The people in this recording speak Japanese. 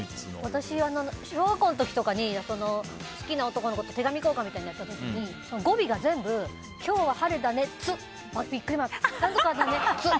私、小学校の時とかに好きな男の子と手紙交換みたいなのやった時に語尾が全部今日は晴れたねっ！